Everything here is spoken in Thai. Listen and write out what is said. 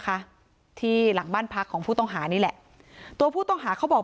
ค่ะที่หลังบ้านพักของผู้ต้องหานี่แหละตัวผู้ต้องหาเขาบอก